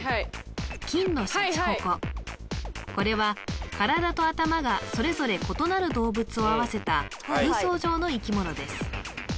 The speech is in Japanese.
金のシャチホコこれは体と頭がそれぞれ異なる動物を合わせた空想上の生き物です